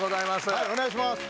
はいお願いします。